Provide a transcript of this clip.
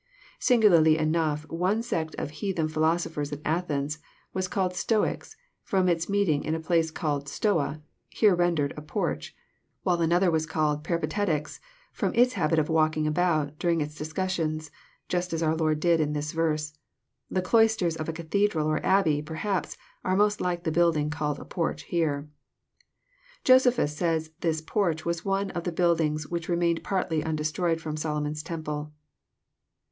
Singularly enough, one sect of heathen philoso phers at Athens was called " Stoics," from its meeting in a place called " Stoa," here rendered a porch; while another was called " Peripatetics," from its habit of " walking about during its discussions, just as our Lord did in this verse. The cloisters of a cathedral or abbey, perhaps, are most like the building called a " porch " here. Josephus says this porch was one of the buildings which re mained partly undestroyed ftom Solomon's temple.